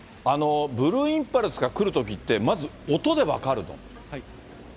ブルーインパルスが来るときって、まず音で分かるの？